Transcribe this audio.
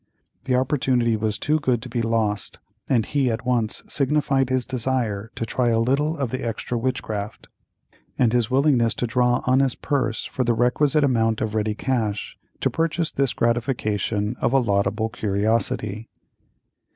The opportunity was too good to be lost, and he at once signified his desire to try a little of the extra witchcraft, and his willingness to draw on his purse for the requisite amount of ready cash to purchase this gratification of a laudable curiosity.